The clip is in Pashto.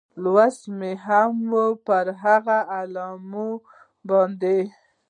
لوستې مو هم وې، پر هغو اعلامیو باندې.